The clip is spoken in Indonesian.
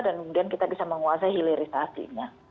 dan kemudian kita bisa menguasai hilirisasinya